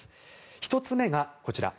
１つ目がこちら。